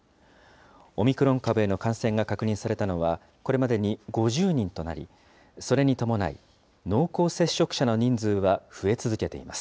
オミクロン株への感染が確認されたのは、これまでに５０人となり、それに伴い、濃厚接触者の人数は増え続けています。